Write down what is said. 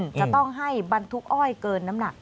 จะต้องให้บรรทุกอ้อยเกินน้ำหนัก